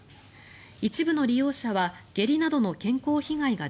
一部の利用者は下痢などの健康被害が